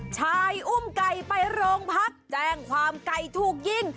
ชายอุ้มไก่ไปโรงพักแจ้งความไก่ถูกยิง